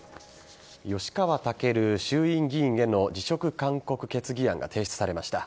吉川赳衆院議員への辞職勧告決議案が提出されました。